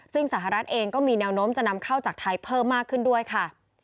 ซึ่งสหรัฐเองก็มีแนวโน้มจะนำเข้าจากไทยเพิ่มมากขึ้นด้วยค่ะ